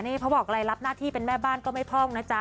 นี่เขาบอกอะไรรับหน้าที่เป็นแม่บ้านก็ไม่พ่องนะจ๊ะ